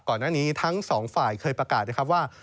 ก่อนหน้านี้ทั้งสองฝ่ายเคยประกาศนะครับว่า